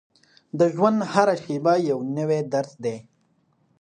د ژوند هره شېبه یو نوی درس دی.